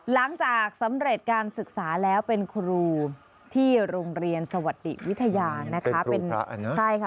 หลังจากสำเร็จการศึกษาแล้วเป็นครูที่โรงเรียนสวัสดิวิทยานะคะเป็นครูพระเนอะใช่ค่ะ